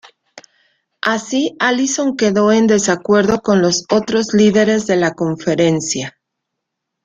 Así, Wilson quedó en desacuerdo con los otros líderes de la conferencia.